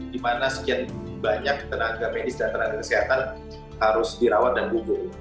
di mana sekian banyak tenaga medis dan tenaga kesehatan harus dirawat dan gugur